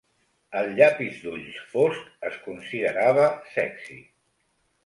El llapis d'ulls fosc es considerava sexi.